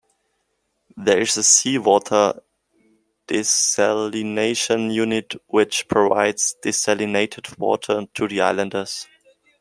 There is a Sea Water Desalination unit which provides desalinated water to the islanders.